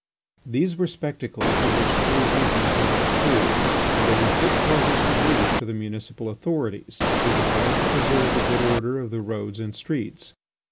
These were spectacles of which cool reason cannot approve and they were fit causes for grief to the municipal authorities, who desired to preserve the good order of the roads and streets.